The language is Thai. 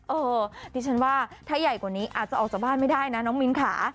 เออดิฉันว่าถ้าใหญ่กว่านี้อาจจะออกจากบ้านไม่ได้นะน้องมิ้นค่ะ